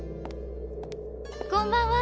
こんばんは！